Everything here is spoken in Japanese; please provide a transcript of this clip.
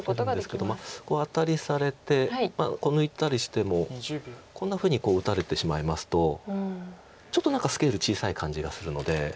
こうアタリされて抜いたりしてもこんなふうに打たれてしまいますとちょっと何かスケール小さい感じがするので。